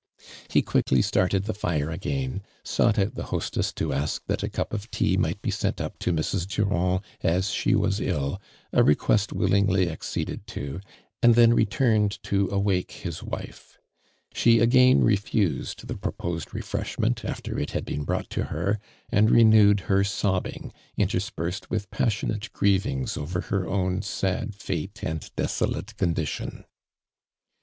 He cjiiickly started the fire again, sought out the hostess to ask that a cup of tea miglit be sent up to Mrs. Duraml, as she was ill, a request willingly accedotl to and then returned to awake his wife. She again refused the proposed refreshment after it had been brought to her, and re newed her sobbing, interspersed with pas sionate grievings over her own sad fate and desolate condition.